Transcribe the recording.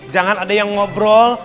jangan ada yang ngobrol